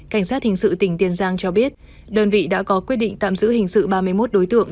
cảnh sát hình sự tỉnh tiền giang cho biết đơn vị đã có quyết định tạm giữ hình sự ba mươi một đối tượng